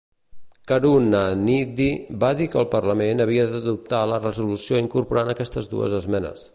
Karunanidhi va dir que el Parlament havia d'adoptar la resolució incorporant aquestes dues esmenes.